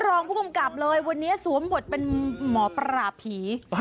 รองผู้กรรมกลับเลยวันนี้สวมบทเป็นหมอประหลาภีร์